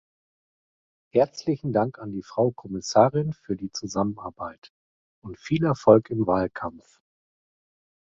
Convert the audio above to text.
Herzlichen Dank an die Frau Kommissarin für die Zusammenarbeit, und viel Erfolg im Wahlkampf!